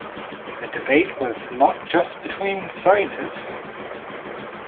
The debate was not just between scientists.